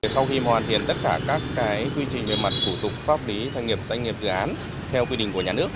sau khi hoàn thiện tất cả các quy trình về mặt cụ tục pháp lý doanh nghiệp dự án theo quy định của nhà nước